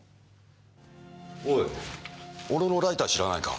おい俺のライター知らないか？